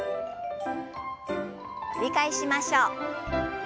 繰り返しましょう。